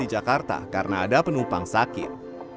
di jakarta karena ada penumpang sakit